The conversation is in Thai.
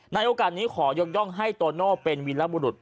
ในโอกาสนี้ขอยกย่องให้โตโน่เป็นวิลบุรุษ